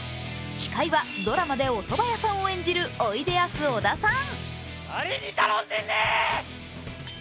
司会はドラマでおそば屋さんを演じるおいでやす小田さん。